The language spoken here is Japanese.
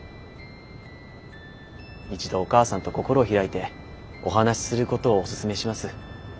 一度お母さんと心を開いてお話しすることをおすすめします。